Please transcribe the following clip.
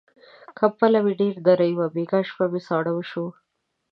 کمپله مې ډېره نری وه، بيګاه شپه مې ساړه وشو.